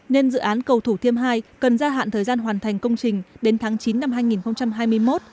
nên dự án cầu thủ thiêm hai cần gia hạn thời gian hoàn thành công trình đến tháng chín năm hai nghìn hai mươi một